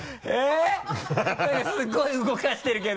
すごい動かしてるけど。